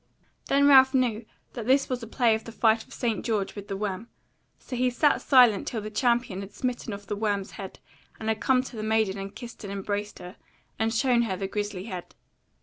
Then Ralph knew that this was a play of the fight of St. George with the worm; so he sat silent till the champion had smitten off the worm's head and had come to the maiden and kissed and embraced her, and shown her the grisly head.